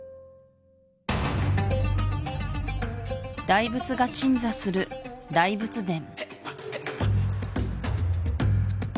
大仏が鎮座する大仏殿